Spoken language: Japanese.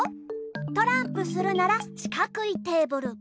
トランプするならしかくいテーブル。